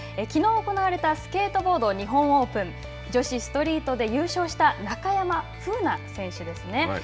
きのう行われたスケートボード日本オープン女子ストリートで優勝した中山楓奈選手です。